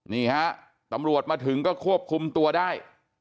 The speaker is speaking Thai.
นี่ฮะตำรวจมาถึงก็ควบคุมตัวได้